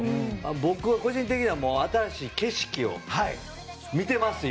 僕は個人的には新しい景色を見てます、今。